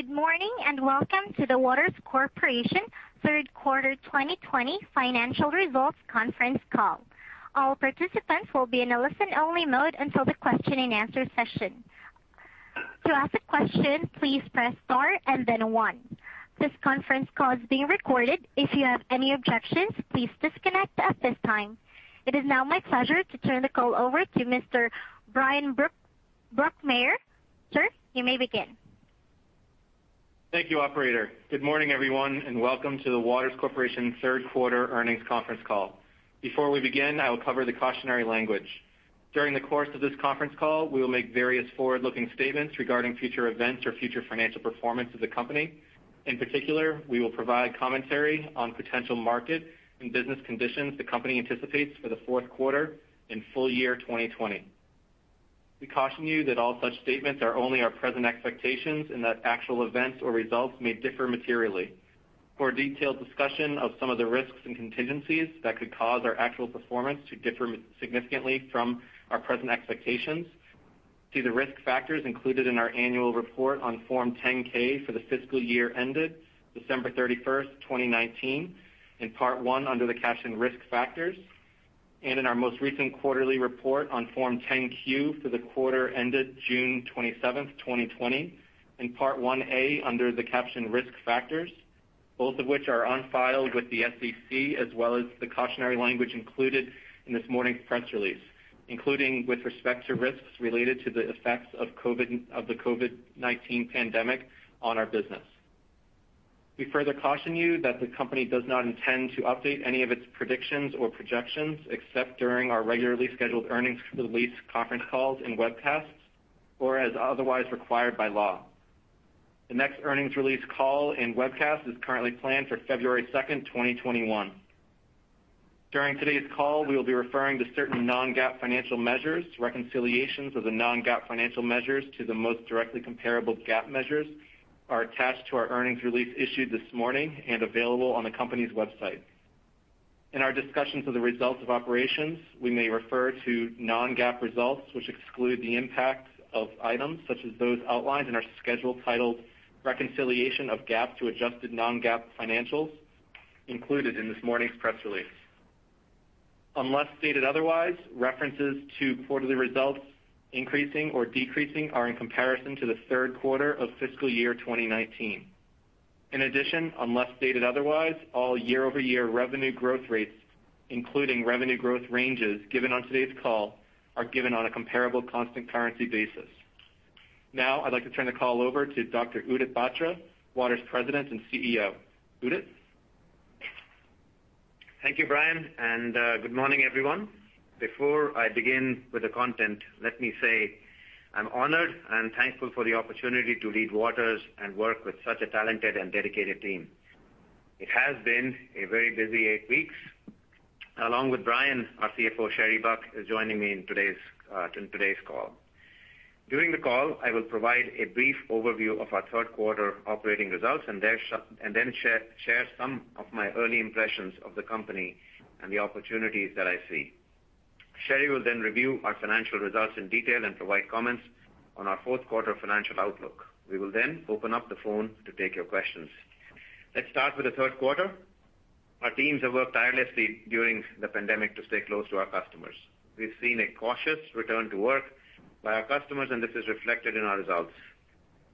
Good morning and welcome to the Waters Corporation Third Quarter 2020 Financial Results Conference Call. All participants will be in a listen-only mode until the question and answer session. To ask a question, please press star and then one. This conference call is being recorded. If you have any objections, please disconnect at this time. It is now my pleasure to turn the call over to Mr. Bryan Brokmeier. Sir, you may begin. Thank you, Operator. Good morning, everyone, and welcome to the Waters Corporation Third Quarter Earnings Conference Call. Before we begin, I will cover the cautionary language. During the course of this conference call, we will make various forward-looking statements regarding future events or future financial performance of the company. In particular, we will provide commentary on potential market and business conditions the company anticipates for the fourth quarter and full year 2020. We caution you that all such statements are only our present expectations and that actual events or results may differ materially. For a detailed discussion of some of the risks and contingencies that could cause our actual performance to differ significantly from our present expectations, see the risk factors included in our annual report on Form 10-K for the fiscal year ended December 31st, 2019, in Part 1 under the captioned risk factors, and in our most recent quarterly report on Form 10-Q for the quarter ended June 27th, 2020, in Part 1-A under the captioned risk factors, both of which are on file with the SEC as well as the cautionary language included in this morning's press release, including with respect to risks related to the effects of the COVID-19 pandemic on our business. We further caution you that the company does not intend to update any of its predictions or projections except during our regularly scheduled earnings release conference calls and webcasts, or as otherwise required by law. The next earnings release call and webcast is currently planned for February 2nd, 2021. During today's call, we will be referring to certain non-GAAP financial measures. Reconciliations of the non-GAAP financial measures to the most directly comparable GAAP measures are attached to our earnings release issued this morning and available on the company's website. In our discussions of the results of operations, we may refer to non-GAAP results, which exclude the impact of items such as those outlined in our schedule titled Reconciliation of GAAP to Adjusted Non-GAAP Financials, included in this morning's press release. Unless stated otherwise, references to quarterly results increasing or decreasing are in comparison to the third quarter of fiscal year 2019. In addition, unless stated otherwise, all year-over-year revenue growth rates, including revenue growth ranges given on today's call, are given on a comparable constant currency basis. Now, I'd like to turn the call over to Dr. Udit Batra, Waters President and CEO. Udit? Thank you, Bryan, and good morning, everyone. Before I begin with the content, let me say I'm honored and thankful for the opportunity to lead Waters and work with such a talented and dedicated team. It has been a very busy eight weeks. Along with Bryan, our CFO, Sherry Buck, is joining me in today's call. During the call, I will provide a brief overview of our third quarter operating results and then share some of my early impressions of the company and the opportunities that I see. Sherry will then review our financial results in detail and provide comments on our fourth quarter financial outlook. We will then open up the phone to take your questions. Let's start with the third quarter. Our teams have worked tirelessly during the pandemic to stay close to our customers. We've seen a cautious return to work by our customers, and this is reflected in our results.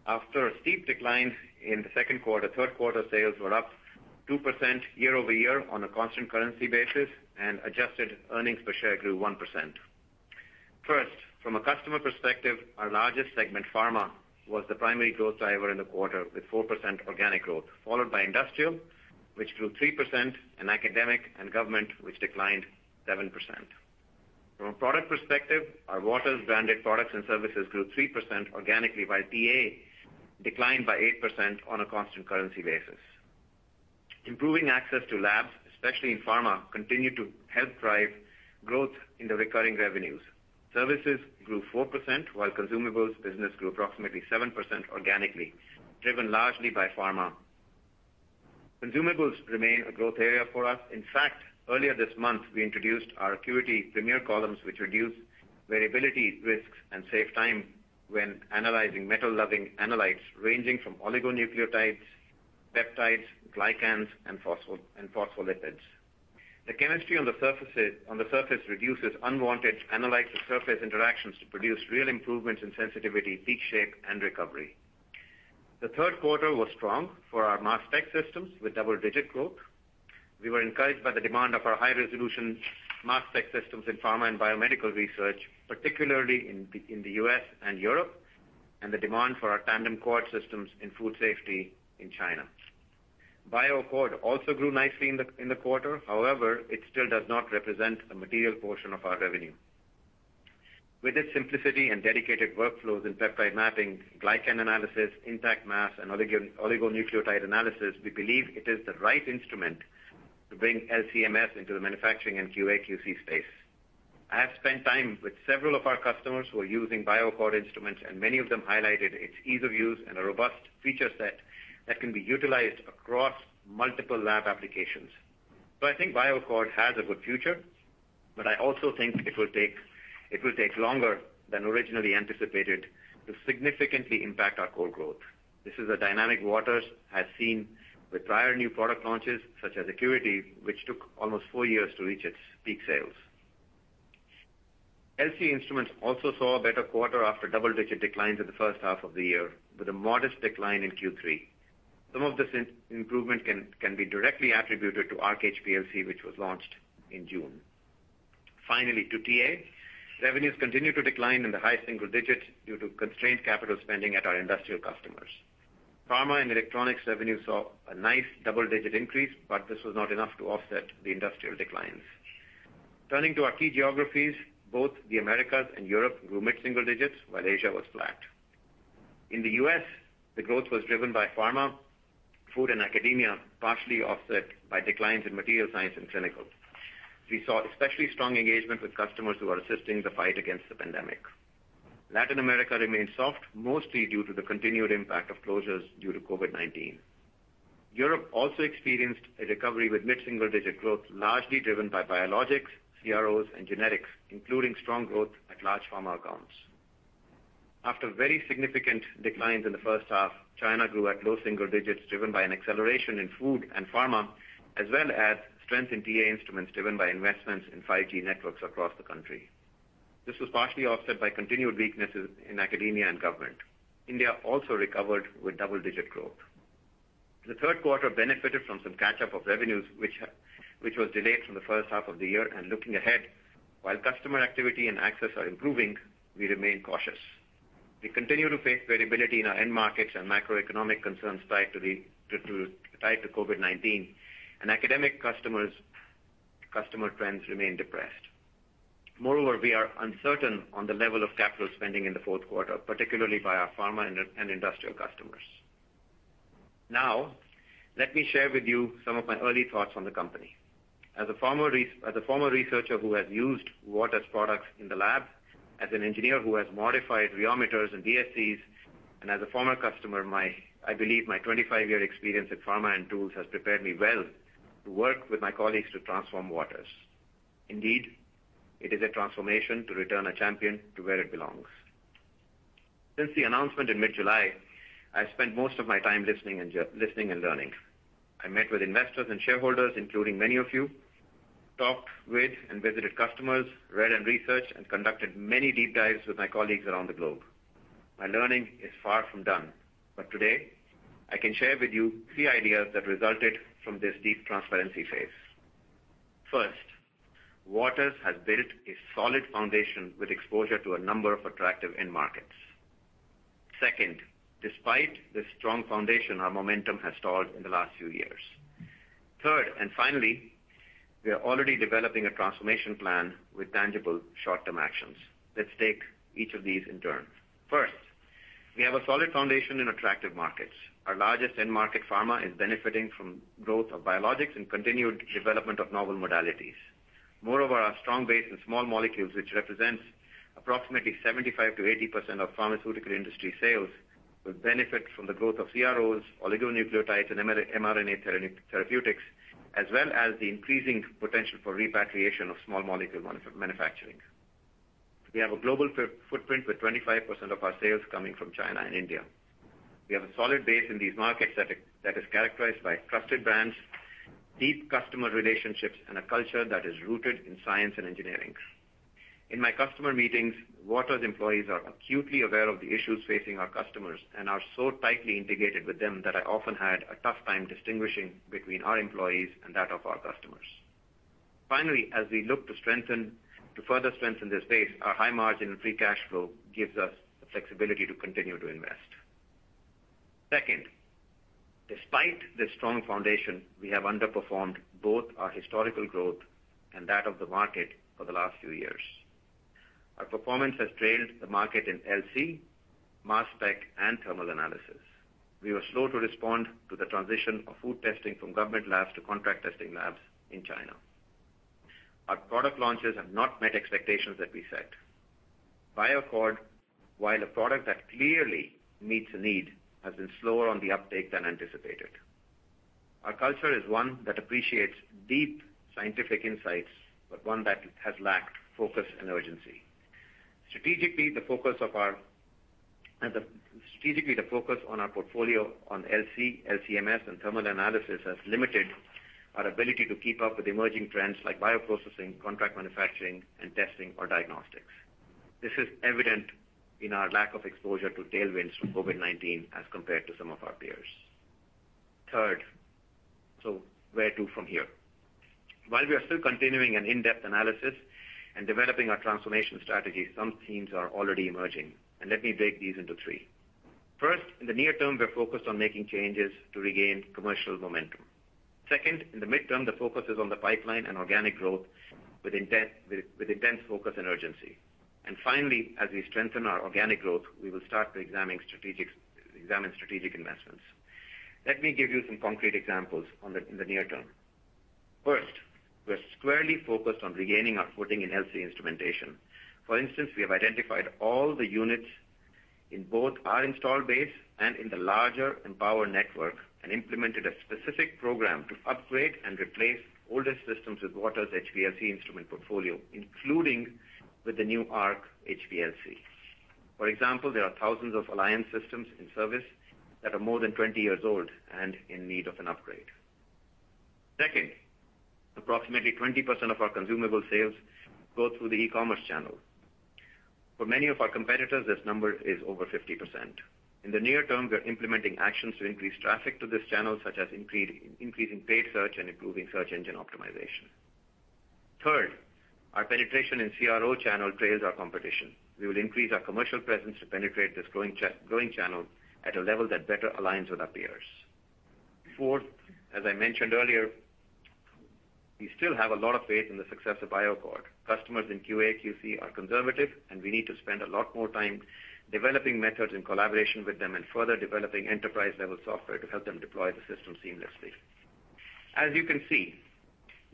After a steep decline in the second quarter, third quarter sales were up 2% year-over-year on a constant currency basis, and adjusted earnings per share grew 1%. First, from a customer perspective, our largest segment, Pharma, was the primary growth driver in the quarter with 4% organic growth, followed by Industrial, which grew 3%, and Academic and Government, which declined 7%. From a product perspective, our Waters branded products and services grew 3% organically, while TA declined by 8% on a constant currency basis. Improving access to labs, especially in Pharma, continued to help drive growth in the recurring revenues. Services grew 4%, while Consumables business grew approximately 7% organically, driven largely by Pharma. Consumables remain a growth area for us. In fact, earlier this month, we introduced our ACQUITY Premier Columns, which reduce variability, risks, and save time when analyzing metal-sensitive analytes ranging from oligonucleotides, peptides, glycans, and phospholipids. The chemistry on the surface reduces unwanted analytes or surface interactions to produce real improvements in sensitivity, peak shape, and recovery. The third quarter was strong for our mass spec systems with double-digit growth. We were encouraged by the demand of our high-resolution mass spec systems in Pharma and Biomedical research, particularly in the U.S. and Europe, and the demand for our tandem quad systems in food safety in China. BioAccord also grew nicely in the quarter. However, it still does not represent a material portion of our revenue. With its simplicity and dedicated workflows in peptide mapping, glycan analysis, intact mass, and oligonucleotide analysis, we believe it is the right instrument to bring LC-MS into the manufacturing and QA/QC space. I have spent time with several of our customers who are using BioAccord instruments, and many of them highlighted its ease of use and a robust feature set that can be utilized across multiple lab applications. So I think BioAccord has a good future, but I also think it will take longer than originally anticipated to significantly impact our core growth. This is a dynamic Waters has seen with prior new product launches such as ACQUITY, which took almost four years to reach its peak sales. LC instruments also saw a better quarter after double-digit declines in the first half of the year, with a modest decline in Q3. Some of this improvement can be directly attributed to Arc HPLC, which was launched in June. Finally, to TA, revenues continue to decline in the high single-digit due to constrained capital spending at our industrial customers. Pharma and Electronics revenues saw a nice double-digit increase, but this was not enough to offset the industrial declines. Turning to our key geographies, both the Americas and Europe grew mid-single digits, while Asia was flat. In the U.S., the growth was driven by Pharma, Food, and Academia, partially offset by declines in Materials Science and Clinical. We saw especially strong engagement with customers who are assisting the fight against the pandemic. Latin America remained soft, mostly due to the continued impact of closures due to COVID-19. Europe also experienced a recovery with mid-single digit growth, largely driven by biologics, CROs, and genetics, including strong growth at large pharma accounts. After very significant declines in the first half, China grew at low single digits, driven by an acceleration in Food and Pharma, as well as strength in TA Instruments driven by investments in 5G networks across the country. This was partially offset by continued weaknesses in Academia and Government. India also recovered with double-digit growth. The third quarter benefited from some catch-up of revenues, which was delayed from the first half of the year, and looking ahead, while customer activity and access are improving, we remain cautious. We continue to face variability in our end markets and macroeconomic concerns tied to COVID-19, and Academic customer trends remain depressed. Moreover, we are uncertain on the level of capital spending in the fourth quarter, particularly by our Pharma and Industrial customers. Now, let me share with you some of my early thoughts on the company. As a former researcher who has used Waters products in the lab, as an engineer who has modified rheometers and DSCs, and as a former customer, I believe my 25-year experience in pharma and tools has prepared me well to work with my colleagues to transform Waters. Indeed, it is a transformation to return a champion to where it belongs. Since the announcement in mid-July, I've spent most of my time listening and learning. I met with investors and shareholders, including many of you, talked with and visited customers, read and researched, and conducted many deep dives with my colleagues around the globe. My learning is far from done, but today, I can share with you three ideas that resulted from this deep transparency phase. First, Waters has built a solid foundation with exposure to a number of attractive end markets. Second, despite this strong foundation, our momentum has stalled in the last few years. Third, and finally, we are already developing a transformation plan with tangible short-term actions. Let's take each of these in turn. First, we have a solid foundation in attractive markets. Our largest end market, Pharma, is benefiting from growth of biologics and continued development of novel modalities. Moreover, our strong base in small molecules, which represents approximately 75%-80% of pharmaceutical industry sales, will benefit from the growth of CROs, oligonucleotides, and mRNA therapeutics, as well as the increasing potential for repatriation of small molecule manufacturing. We have a global footprint with 25% of our sales coming from China and India. We have a solid base in these markets that is characterized by trusted brands, deep customer relationships, and a culture that is rooted in science and engineering. In my customer meetings, Waters employees are acutely aware of the issues facing our customers and are so tightly integrated with them that I often had a tough time distinguishing between our employees and that of our customers. Finally, as we look to further strengthen this base, our high margin and free cash flow gives us the flexibility to continue to invest. Second, despite this strong foundation, we have underperformed both our historical growth and that of the market for the last few years. Our performance has trailed the market in LC, mass spec, and thermal analysis. We were slow to respond to the transition of food testing from government labs to contract testing labs in China. Our product launches have not met expectations that we set. BioAccord, while a product that clearly meets a need, has been slower on the uptake than anticipated. Our culture is one that appreciates deep scientific insights, but one that has lacked focus and urgency. Strategically, the focus on our portfolio on LC, LC-MS, and thermal analysis has limited our ability to keep up with emerging trends like bioprocessing, contract manufacturing, and testing or diagnostics. This is evident in our lack of exposure to tailwinds from COVID-19 as compared to some of our peers. Third, so where to from here? While we are still continuing an in-depth analysis and developing our transformation strategies, some themes are already emerging, and let me break these into three. First, in the near term, we're focused on making changes to regain commercial momentum. Second, in the midterm, the focus is on the pipeline and organic growth with intense focus and urgency. And finally, as we strengthen our organic growth, we will start to examine strategic investments. Let me give you some concrete examples in the near term. First, we're squarely focused on regaining our footing in LC instrumentation. For instance, we have identified all the units in both our installed base and in the larger Empower network and implemented a specific program to upgrade and replace older systems with Waters HPLC instrument portfolio, including with the new Arc HPLC. For example, there are thousands of Alliance systems in service that are more than 20 years old and in need of an upgrade. Second, approximately 20% of our consumable sales go through the e-commerce channel. For many of our competitors, this number is over 50%. In the near term, we're implementing actions to increase traffic to this channel, such as increasing paid search and improving search engine optimization. Third, our penetration in CRO channel trails our competition. We will increase our commercial presence to penetrate this growing channel at a level that better aligns with our peers. Fourth, as I mentioned earlier, we still have a lot of faith in the success of BioAccord. Customers in QA/QC are conservative, and we need to spend a lot more time developing methods in collaboration with them and further developing enterprise-level software to help them deploy the system seamlessly. As you can see,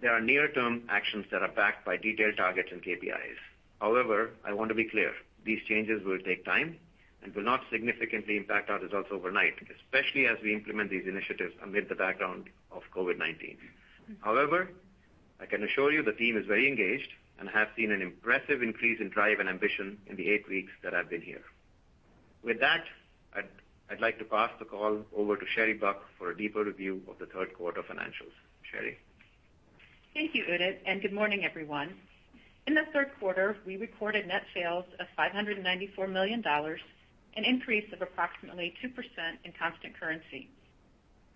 there are near-term actions that are backed by detailed targets and KPIs. However, I want to be clear. These changes will take time and will not significantly impact our results overnight, especially as we implement these initiatives amid the background of COVID-19. However, I can assure you the team is very engaged, and I have seen an impressive increase in drive and ambition in the eight weeks that I've been here. With that, I'd like to pass the call over to Sherry Buck for a deeper review of the third quarter financials. Sherry? Thank you, Udit, and good morning, everyone. In the third quarter, we recorded net sales of $594 million, an increase of approximately 2% in constant currency.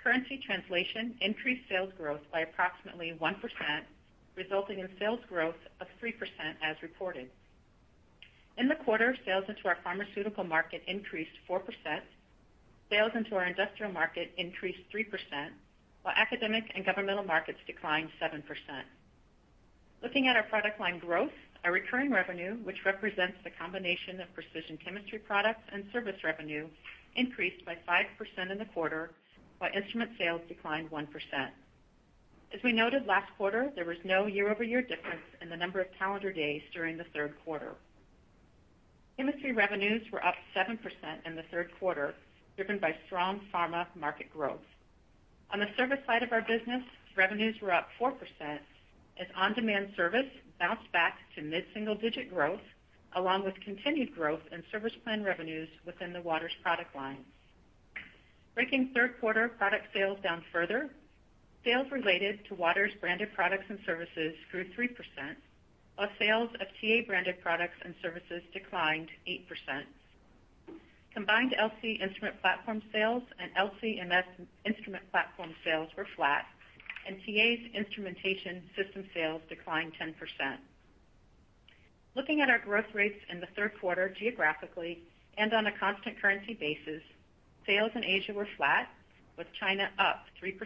Currency translation increased sales growth by approximately 1%, resulting in sales growth of 3% as reported. In the quarter, sales into our pharmaceutical market increased 4%. Sales into our industrial market increased 3%, while academic and governmental markets declined 7%. Looking at our product line growth, our recurring revenue, which represents the combination of precision chemistry products and service revenue, increased by 5% in the quarter, while instrument sales declined 1%. As we noted last quarter, there was no year-over-year difference in the number of calendar days during the third quarter. Chemistry revenues were up 7% in the third quarter, driven by strong pharma market growth. On the service side of our business, revenues were up 4%, as on-demand service bounced back to mid-single digit growth, along with continued growth in service plan revenues within the Waters product line. Breaking third quarter product sales down further, sales related to Waters branded products and services grew 3%. Sales of TA-branded products and services declined 8%. Combined LC instrument platform sales and LC-MS instrument platform sales were flat, and TA's instrumentation system sales declined 10%. Looking at our growth rates in the third quarter geographically and on a constant currency basis, sales in Asia were flat, with China up 3%.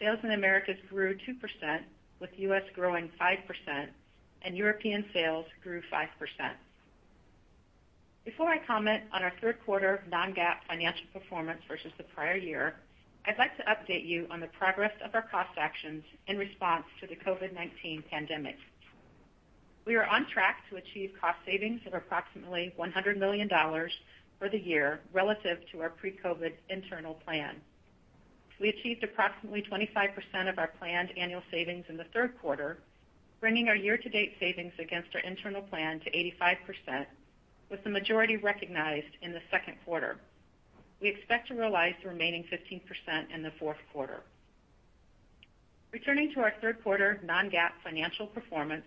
Sales in the Americas grew 2%, with U.S. growing 5%, and European sales grew 5%. Before I comment on our third quarter non-GAAP financial performance versus the prior year, I'd like to update you on the progress of our cost actions in response to the COVID-19 pandemic. We are on track to achieve cost savings of approximately $100 million for the year relative to our pre-COVID internal plan. We achieved approximately 25% of our planned annual savings in the third quarter, bringing our year-to-date savings against our internal plan to 85%, with the majority recognized in the second quarter. We expect to realize the remaining 15% in the fourth quarter. Returning to our third quarter non-GAAP financial performance,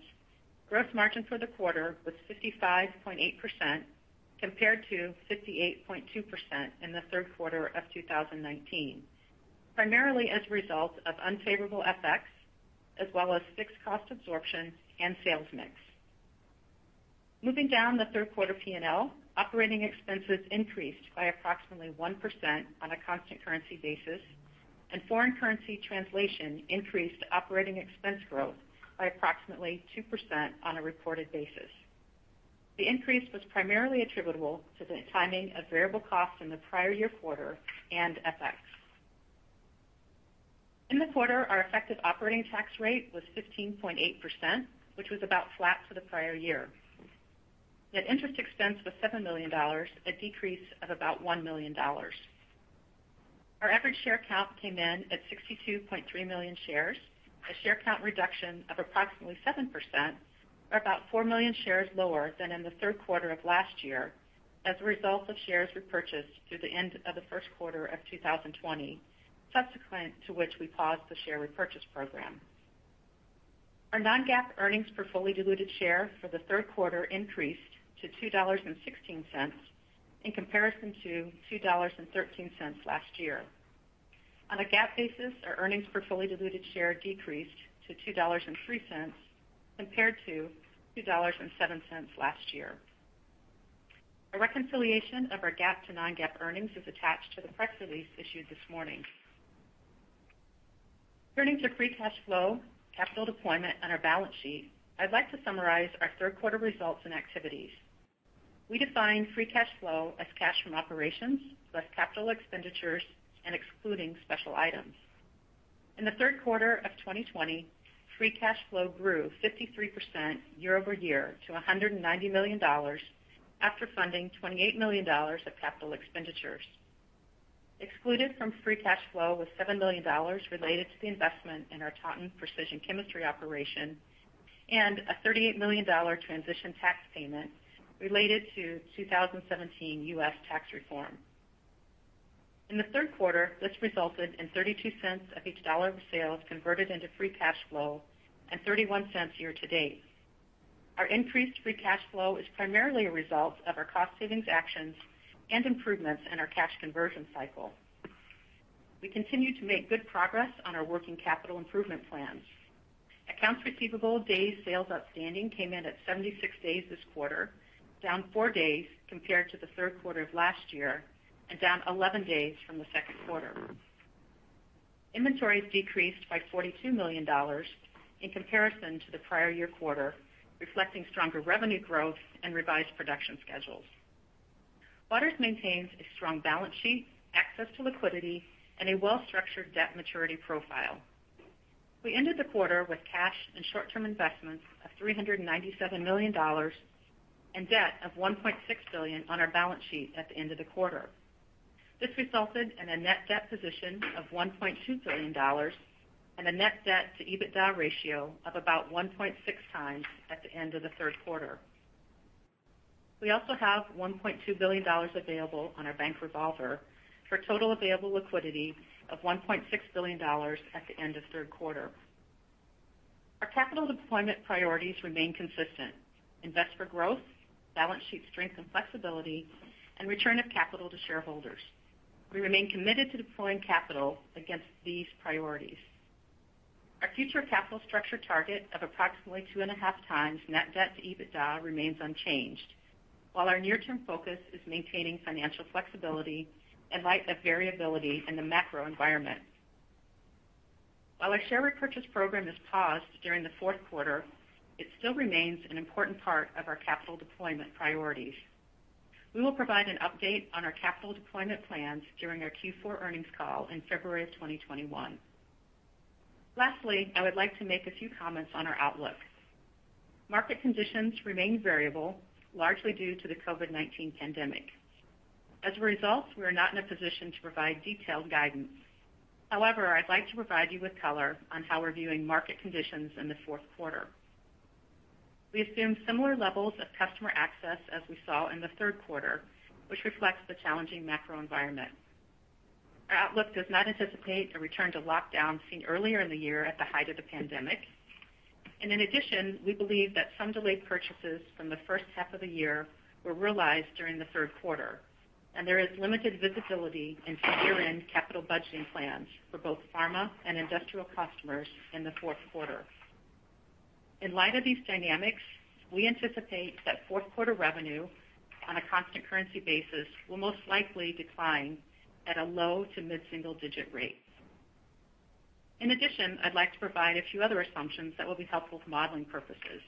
gross margin for the quarter was 55.8% compared to 58.2% in the third quarter of 2019, primarily as a result of unfavorable effects, as well as fixed cost absorption and sales mix. Moving down the third quarter P&L, operating expenses increased by approximately 1% on a constant currency basis, and foreign currency translation increased operating expense growth by approximately 2% on a reported basis. The increase was primarily attributable to the timing of variable costs in the prior year quarter and effects. In the quarter, our effective operating tax rate was 15.8%, which was about flat for the prior year. Net interest expense was $7 million, a decrease of about $1 million. Our average share count came in at 62.3 million shares, a share count reduction of approximately 7%, or about four million shares lower than in the third quarter of last year, as a result of shares repurchased through the end of the first quarter of 2020, subsequent to which we paused the share repurchase program. Our non-GAAP earnings per fully diluted share for the third quarter increased to $2.16 in comparison to $2.13 last year. On a GAAP basis, our earnings per fully diluted share decreased to $2.03 compared to $2.07 last year. A reconciliation of our GAAP to non-GAAP earnings is attached to the press release issued this morning. Turning to free cash flow, capital deployment, and our balance sheet, I'd like to summarize our third quarter results and activities. We defined free cash flow as cash from operations plus capital expenditures and excluding special items. In the third quarter of 2020, free cash flow grew 53% year-over-year to $190 million after funding $28 million of capital expenditures. Excluded from free cash flow was $7 million related to the investment in our Taunton Precision Chemistry operation and a $38 million transition tax payment related to 2017 U.S. tax reform. In the third quarter, this resulted in $0.32 of each dollar of sales converted into free cash flow and $0.31 year-to-date. Our increased free cash flow is primarily a result of our cost savings actions and improvements in our cash conversion cycle. We continue to make good progress on our working capital improvement plans. Accounts receivable day sales outstanding came in at 76 days this quarter, down 4 days compared to the third quarter of last year and down 11 days from the second quarter. Inventories decreased by $42 million in comparison to the prior year quarter, reflecting stronger revenue growth and revised production schedules. Waters maintains a strong balance sheet, access to liquidity, and a well-structured debt maturity profile. We ended the quarter with cash and short-term investments of $397 million and debt of $1.6 billion on our balance sheet at the end of the quarter. This resulted in a net debt position of $1.2 billion and a net debt to EBITDA ratio of about 1.6 times at the end of the third quarter. We also have $1.2 billion available on our bank revolver for total available liquidity of $1.6 billion at the end of third quarter. Our capital deployment priorities remain consistent: invest for growth, balance sheet strength and flexibility, and return of capital to shareholders. We remain committed to deploying capital against these priorities. Our future capital structure target of approximately two and a half times net debt to EBITDA remains unchanged, while our near-term focus is maintaining financial flexibility in light of variability in the macro environment. While our share repurchase program is paused during the fourth quarter, it still remains an important part of our capital deployment priorities. We will provide an update on our capital deployment plans during our Q4 earnings call in February of 2021. Lastly, I would like to make a few comments on our outlook. Market conditions remain variable, largely due to the COVID-19 pandemic. As a result, we are not in a position to provide detailed guidance. However, I'd like to provide you with color on how we're viewing market conditions in the fourth quarter. We assume similar levels of customer access as we saw in the third quarter, which reflects the challenging macro environment. Our outlook does not anticipate a return to lockdown seen earlier in the year at the height of the pandemic. And in addition, we believe that some delayed purchases from the first half of the year were realized during the third quarter, and there is limited visibility into year-end capital budgeting plans for both pharma and industrial customers in the fourth quarter. In light of these dynamics, we anticipate that fourth quarter revenue on a constant currency basis will most likely decline at a low to mid-single digit rate. In addition, I'd like to provide a few other assumptions that will be helpful for modeling purposes.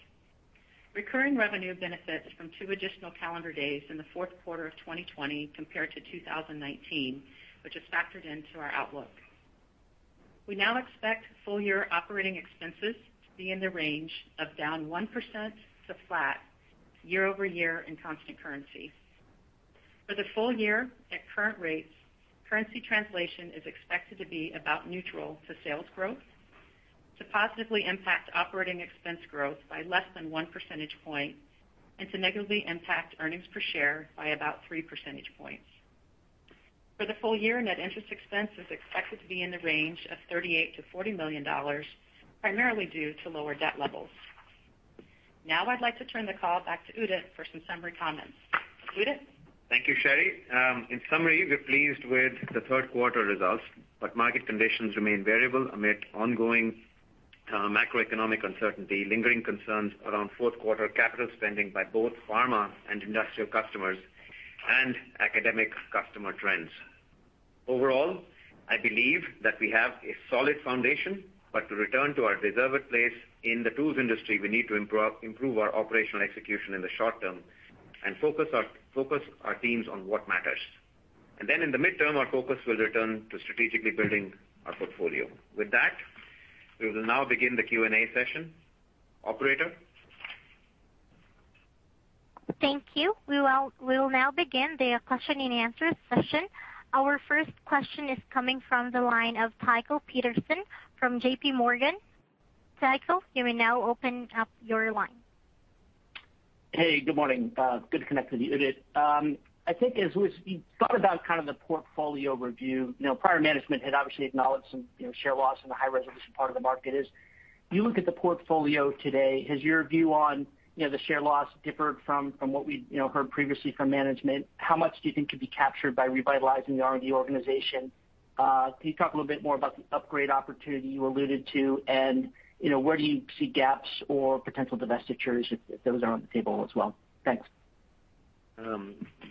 Recurring revenue benefits from two additional calendar days in the fourth quarter of 2020 compared to 2019, which is factored into our outlook. We now expect full-year operating expenses to be in the range of down 1% to flat year-over-year in constant currency. For the full year at current rates, currency translation is expected to be about neutral to sales growth, to positively impact operating expense growth by less than one percentage point, and to negatively impact earnings per share by about three percentage points. For the full year, net interest expense is expected to be in the range of $38 million-$40 million, primarily due to lower debt levels. Now I'd like to turn the call back to Udit for some summary comments. Udit? Thank you, Sherry. In summary, we're pleased with the third quarter results, but market conditions remain variable amid ongoing macroeconomic uncertainty, lingering concerns around fourth quarter capital spending by both pharma and industrial customers, and academic customer trends. Overall, I believe that we have a solid foundation, but to return to our deserved place in the tools industry, we need to improve our operational execution in the short term and focus our teams on what matters. And then in the midterm, our focus will return to strategically building our portfolio. With that, we will now begin the Q&A session. Operator? Thank you. We will now begin the question and answer session. Our first question is coming from the line of Tycho Peterson from JPMorgan. Tycho, you may now open up your line. Hey, good morning. Good to connect with you, Udit. I think as we thought about kind of the portfolio review, prior management had obviously acknowledged some share loss in the high-resolution part of the market. If you look at the portfolio today, has your view on the share loss differed from what we heard previously from management? How much do you think could be captured by revitalizing the R&D organization? Can you talk a little bit more about the upgrade opportunity you alluded to, and where do you see gaps or potential divestitures if those are on the table as well? Thanks.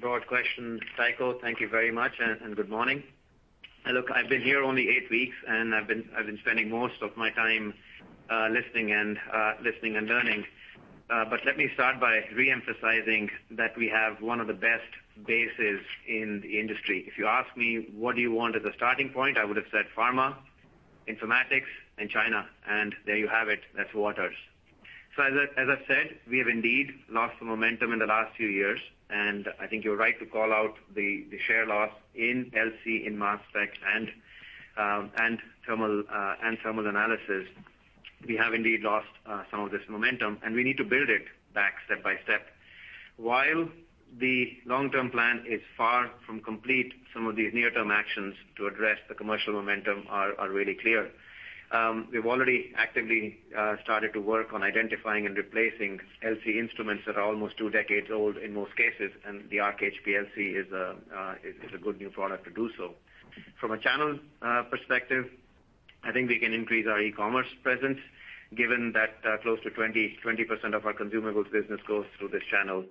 Broad question, Tycho. Thank you very much, and good morning. Look, I've been here only eight weeks, and I've been spending most of my time listening and learning. But let me start by reemphasizing that we have one of the best bases in the industry. If you ask me, what do you want as a starting point, I would have said Pharma, Informatics, and China. And there you have it. That's Waters. So as I've said, we have indeed lost the momentum in the last few years, and I think you're right to call out the share loss in LC, in mass spec, and thermal analysis. We have indeed lost some of this momentum, and we need to build it back step by step. While the long-term plan is far from complete, some of these near-term actions to address the commercial momentum are really clear. We've already actively started to work on identifying and replacing LC instruments that are almost two decades old in most cases, and the Arc HPLC is a good new product to do so. From a channel perspective, I think we can increase our e-commerce presence, given that close to 20% of our consumables business goes through this channel.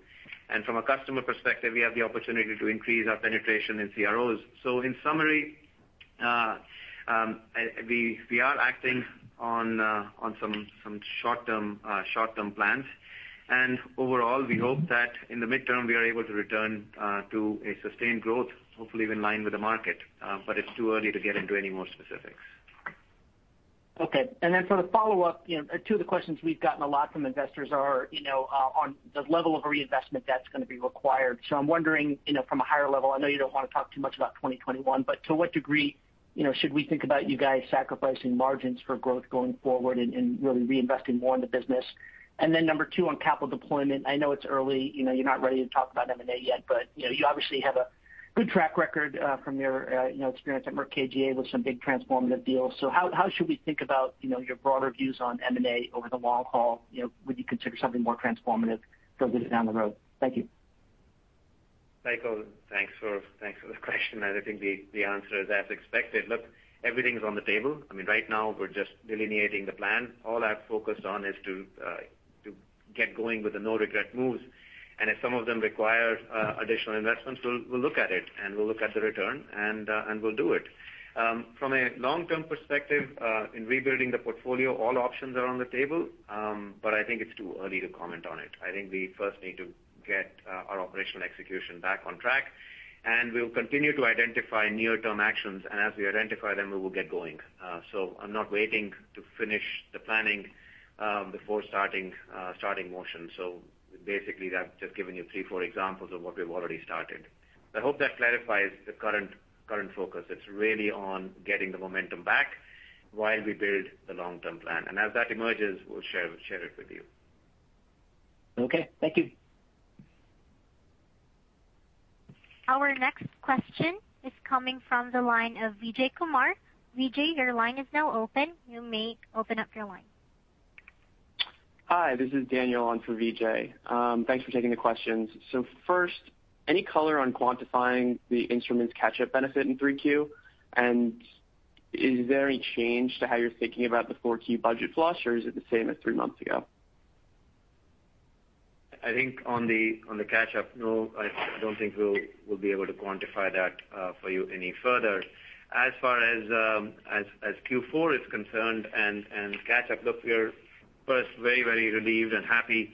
And from a customer perspective, we have the opportunity to increase our penetration in CROs. So in summary, we are acting on some short-term plans, and overall, we hope that in the midterm, we are able to return to a sustained growth, hopefully in line with the market, but it's too early to get into any more specifics. Okay. And then for the follow-up, two of the questions we've gotten a lot from investors are on the level of reinvestment that's going to be required. So I'm wondering from a higher level, I know you don't want to talk too much about 2021, but to what degree should we think about you guys sacrificing margins for growth going forward and really reinvesting more in the business? And then number two, on capital deployment, I know it's early. You're not ready to talk about M&A yet, but you obviously have a good track record from your experience at Merck KGaA with some big transformative deals. So how should we think about your broader views on M&A over the long haul? Would you consider something more transformative for a little bit down the road? Thank you. Tycho, thanks for the question. I think the answer is as expected. Look, everything's on the table. I mean, right now, we're just delineating the plan. All I've focused on is to get going with the no-regret moves. And if some of them require additional investments, we'll look at it, and we'll look at the return, and we'll do it. From a long-term perspective, in rebuilding the portfolio, all options are on the table, but I think it's too early to comment on it. I think we first need to get our operational execution back on track, and we'll continue to identify near-term actions, and as we identify them, we will get going. So I'm not waiting to finish the planning before starting motion. So basically, I've just given you three, four examples of what we've already started. I hope that clarifies the current focus. It's really on getting the momentum back while we build the long-term plan. And as that emerges, we'll share it with you. Okay. Thank you. Our next question is coming from the line of Vijay Kumar. Vijay, your line is now open. You may open up your line. Hi, this is Daniel on for Vijay. Thanks for taking the questions. So first, any color on quantifying the instruments catch-up benefit in 3Q? And is there any change to how you're thinking about the 4Q budget flush, or is it the same as three months ago? I think on the catch-up, no, I don't think we'll be able to quantify that for you any further. As far as Q4 is concerned and catch-up, look, we're first very, very relieved and happy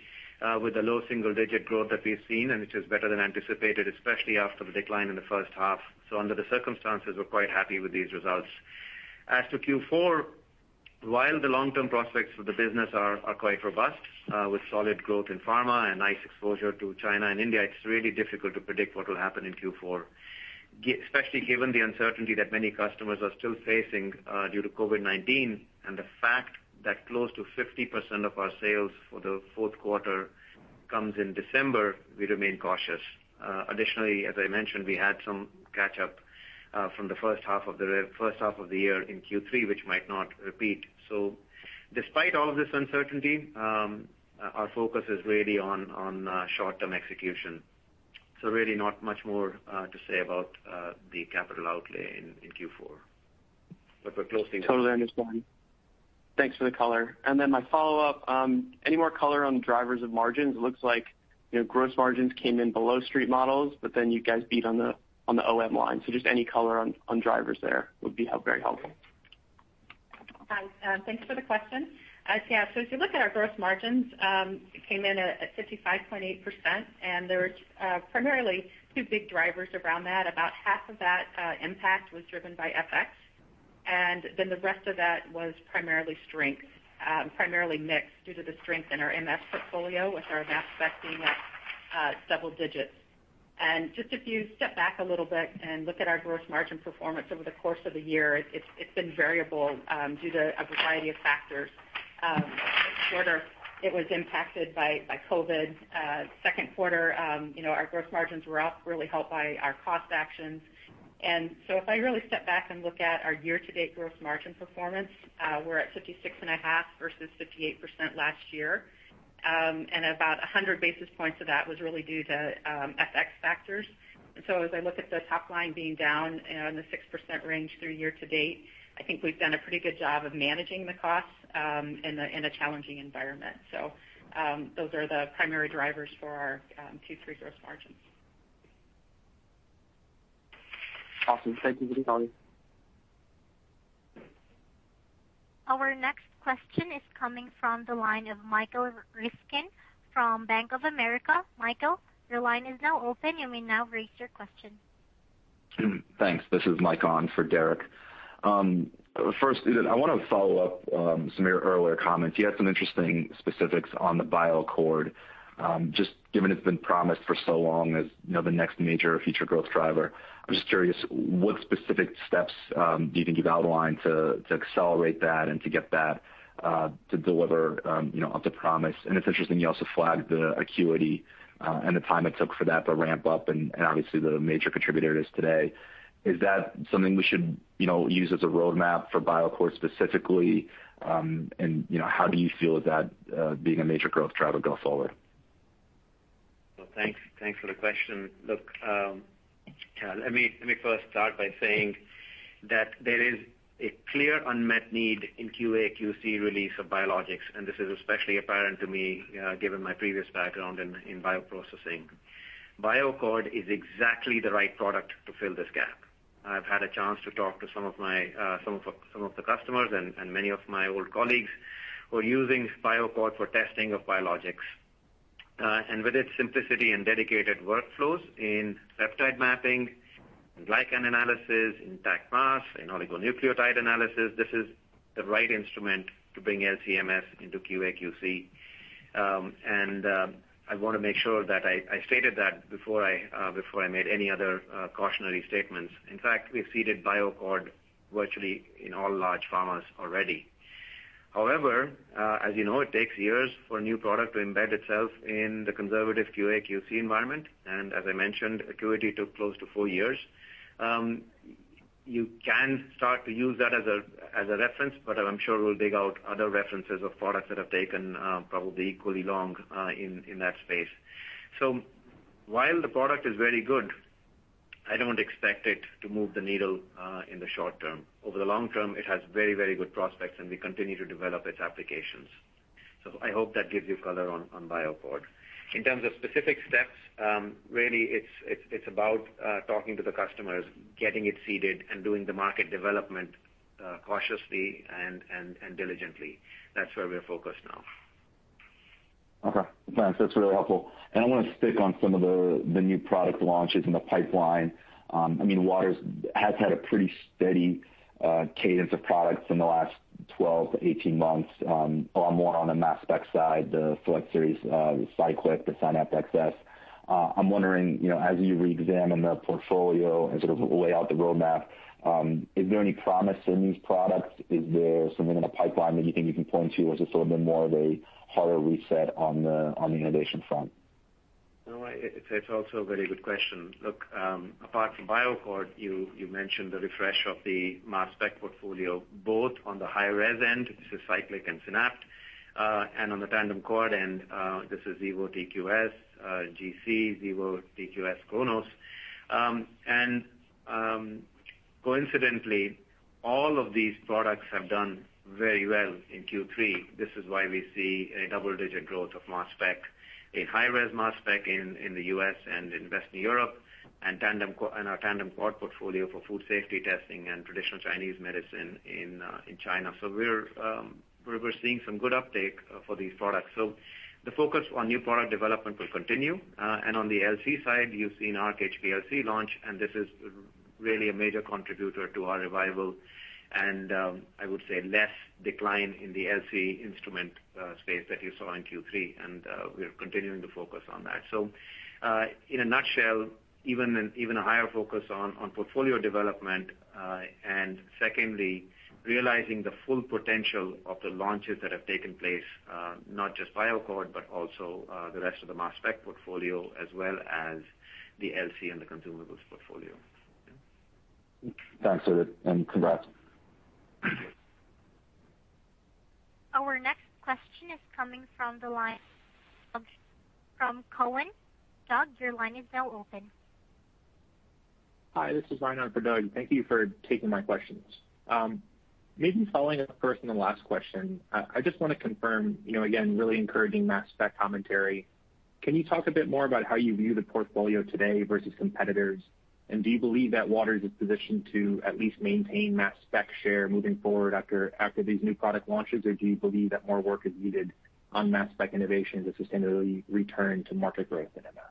with the low single-digit growth that we've seen, and it is better than anticipated, especially after the decline in the first half. So under the circumstances, we're quite happy with these results. As to Q4, while the long-term prospects for the business are quite robust with solid growth in Pharma and nice exposure to China and India, it's really difficult to predict what will happen in Q4, especially given the uncertainty that many customers are still facing due to COVID-19 and the fact that close to 50% of our sales for the fourth quarter comes in December. We remain cautious. Additionally, as I mentioned, we had some catch-up from the first half of the year in Q3, which might not repeat. So despite all of this uncertainty, our focus is really on short-term execution. So really not much more to say about the capital outlay in Q4, but we're closely watching. Totally understand. Thanks for the color. And then my follow-up, any more color on the drivers of margins? It looks like gross margins came in below street models, but then you guys beat on the OM lines. So just any color on drivers there would be very helpful. Thanks for the question. Yeah. So if you look at our gross margins, it came in at 55.8%, and there were primarily two big drivers around that. About half of that impact was driven by FX, and then the rest of that was primarily strength, primarily mixed due to the strength in our MS portfolio, with our mass spec being at double digits. And just if you step back a little bit and look at our gross margin performance over the course of the year, it's been variable due to a variety of factors. The quarter, it was impacted by COVID. Second quarter, our gross margins were really helped by our cost actions. And so if I really step back and look at our year-to-date gross margin performance, we're at 56.5% versus 58% last year, and about 100 basis points of that was really due to FX factors. And so as I look at the top line being down in the 6% range through year-to-date, I think we've done a pretty good job of managing the costs in a challenging environment. So those are the primary drivers for our Q3 gross margins. Awesome. Thank you for the call. Our next question is coming from the line of Michael Ryskin from Bank of America. Michael, your line is now open. You may now raise your question. Thanks. This is Mike on for Derik. First, I want to follow up some of your earlier comments. You had some interesting specifics on the BioAccord, just given it's been promised for so long as the next major future growth driver. I'm just curious, what specific steps do you think you've outlined to accelerate that and to get that to deliver up to promise? And it's interesting you also flagged the ACQUITY and the time it took for that to ramp up, and obviously the major contributor it is today. Is that something we should use as a roadmap for BioAccord specifically? And how do you feel of that being a major growth driver going forward? Well, thanks for the question. Look, let me first start by saying that there is a clear unmet need in QA/QC release of biologics, and this is especially apparent to me given my previous background in bioprocessing. BioAccord is exactly the right product to fill this gap. I've had a chance to talk to some of the customers and many of my old colleagues who are using BioAccord for testing of biologics. And with its simplicity and dedicated workflows in peptide mapping, glycan analysis, intact mass, and oligonucleotide analysis, this is the right instrument to bring LC-MS into QA/QC. And I want to make sure that I stated that before I made any other cautionary statements. In fact, we've seeded BioAccord virtually in all large pharmas already. However, as you know, it takes years for a new product to embed itself in the conservative QA/QC environment. And as I mentioned, ACQUITY took close to four years. You can start to use that as a reference, but I'm sure we'll dig out other references of products that have taken probably equally long in that space. So while the product is very good, I don't expect it to move the needle in the short term. Over the long term, it has very, very good prospects, and we continue to develop its applications. So I hope that gives you color on BioAccord. In terms of specific steps, really, it's about talking to the customers, getting it seeded, and doing the market development cautiously and diligently. That's where we're focused now. Okay. Thanks. That's really helpful. And I want to stick on some of the new product launches in the pipeline. I mean, Waters has had a pretty steady cadence of products in the last 12-18 months, a lot more on the mass spec side, the SELECT SERIES Cyclic, the SYNAPT XS. I'm wondering, as you reexamine the portfolio and sort of lay out the roadmap, is there any promise in these products? Is there something in the pipeline that you think you can point to, or is this a little bit more of a harder reset on the innovation front? It's also a very good question. Look, apart from BioAccord, you mentioned the refresh of the mass spec portfolio, both on the high-res end, this is Cyclic and SYNAPT, and on the tandem quad end, this is Xevo TQ-XS, GC, Xevo TQ-S cronos. And coincidentally, all of these products have done very well in Q3. This is why we see a double-digit growth of mass spec, a high-res mass spec in the U.S. and in Western Europe, and our tandem quad portfolio for food safety testing and traditional Chinese medicine in China. So we're seeing some good uptake for these products. So the focus on new product development will continue. And on the LC side, you've seen Arc HPLC launch, and this is really a major contributor to our revival and, I would say, less decline in the LC instrument space that you saw in Q3. And we're continuing to focus on that. So in a nutshell, even a higher focus on portfolio development, and secondly, realizing the full potential of the launches that have taken place, not just BioAccord, but also the rest of the mass spec portfolio, as well as the LC and the consumables portfolio. Thanks, Udit, and congrats. Our next question is coming from the line of Doug from Cowen. Doug, your line is now open. Hi, this is Ryan on for Doug. Thank you for taking my questions. Maybe following up first on the last question, I just want to confirm, again, really encouraging mass spec commentary. Can you talk a bit more about how you view the portfolio today versus competitors? And do you believe that Waters is positioned to at least maintain mass spec share moving forward after these new product launches, or do you believe that more work is needed on mass spec innovation to sustainably return to market growth in MS?